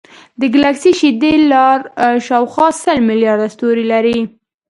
د ګلکسي شیدې لار شاوخوا سل ملیارده ستوري لري.